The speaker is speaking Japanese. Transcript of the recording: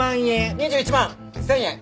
２１万１０００円。